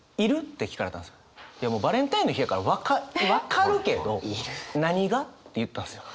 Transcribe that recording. いやもうバレンタインの日やから分かるけど「何が？」って言ったんですよ。